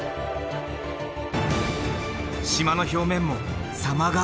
島の表面も様変わり。